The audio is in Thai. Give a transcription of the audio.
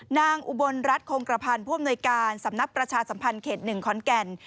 อุบลรัฐคงกระพันธ์ผู้อำนวยการสำนักประชาสัมพันธ์เขต๑ขอนแก่น